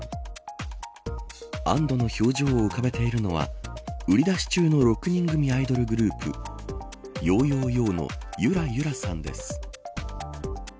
安どの表情を浮かべているのは売り出し中の６人組アイドルグループ＃よーよーよーの由良ゆらさんです。